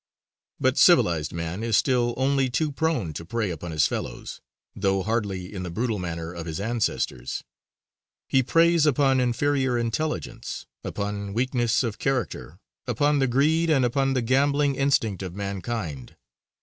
But civilized man is still only too prone to prey upon his fellows, though hardly in the brutal manner of his ancestors. He preys upon inferior intelligence, upon weakness of character, upon the greed and upon the gambling instinct of mankind.